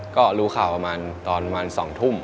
ก็รู้ข่าวประมาณตอนประมาณ๒ทุ่ม